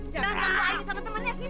jangan ganggu ayu sama temennya sini nih